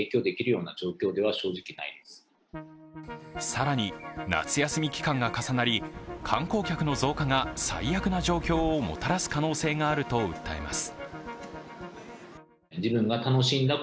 更に夏休み期間が重なり、観光客の増加が最悪な状況をもたらす可能性があると訴えます。